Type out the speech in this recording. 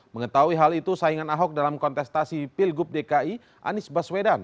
mengetahui hal itu saingan ahok dalam kontestasi pilgub dki anies baswedan